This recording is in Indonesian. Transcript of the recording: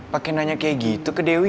pakai nanya kayak gitu ke dewi